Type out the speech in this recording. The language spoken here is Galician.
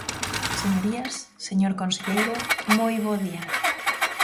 Señorías, señor conselleiro, moi bo día.